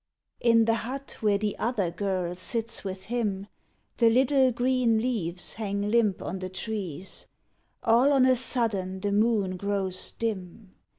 _" In the hut where the other girl sits with him The little green leaves hang limp on the trees All on a sudden the moon grows dim